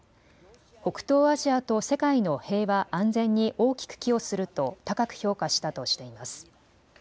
北東アジアと世界の平和・安全に大きく寄与すると高く評価したとしています。